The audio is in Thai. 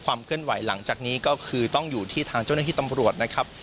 เคลื่อนไหวหลังจากนี้ก็คือต้องอยู่ที่ทางเจ้าหน้าที่ตำรวจนะครับ